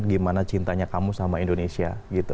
gimana cintanya kamu sama indonesia gitu